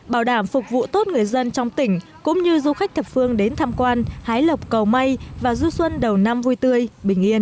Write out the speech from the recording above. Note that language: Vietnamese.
bảo đảm phục vụ tốt người dân trong tỉnh cũng như du khách thập phương đến tham quan hái lộc cầu may và du xuân đầu năm vui tươi bình yên